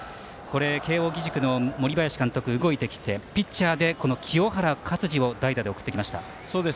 慶応義塾の森林監督、動いてきてピッチャーで清原勝児を代打で送ってきました。